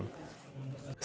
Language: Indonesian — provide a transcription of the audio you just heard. siti rokaya berkata